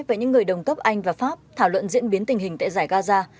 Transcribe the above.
về những người đồng cấp anh và pháp thảo luận diễn biến tình hình tại giải gaza